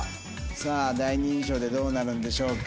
さあ第二印象でどうなるんでしょうか？